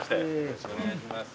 よろしくお願いします。